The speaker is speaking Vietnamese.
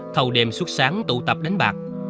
thầu đêm suốt sáng tụ tập đánh bạc